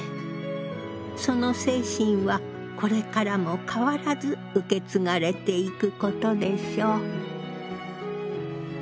その精神はこれからも変わらず受け継がれていくことでしょう。